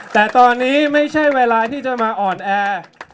แต่ตอนนี้ไม่ใช่เวลาที่จะมาอ่อนแอ